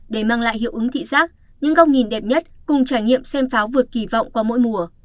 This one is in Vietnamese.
để mang lại hiệu ứng thị giác những góc nhìn đẹp nhất cùng trải nghiệm xem pháo vượt kỳ vọng qua mỗi mùa